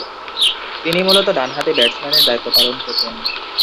তিনি মূলতঃ ডানহাতি ব্যাটসম্যানের দায়িত্ব পালন করতেন।